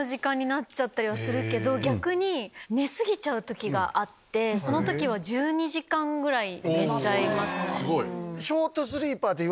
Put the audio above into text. なっちゃったりはするけど逆に寝過ぎちゃう時があってその時は１２時間ぐらい寝ちゃいますね。